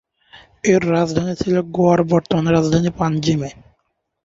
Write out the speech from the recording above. এর রাজধানী ছিল গোয়ার বর্তমান রাজধানী পানজিমে।